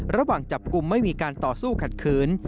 ระหว่างจับกลุ่มไม่มีการต่อสู้ขัดขืน